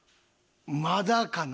まだかな。